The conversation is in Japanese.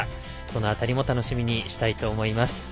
その辺りも楽しみにしたいと思います。